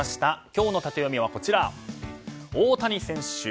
今日のタテヨミは大谷選手